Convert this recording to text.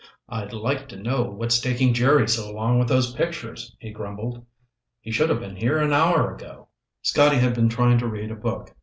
"I'd like to know what's taking Jerry so long with those pictures," he grumbled. "He should have been here an hour ago." Scotty had been trying to read a book.